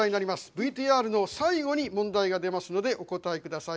ＶＴＲの最後に問題が出ますのでお答え下さい。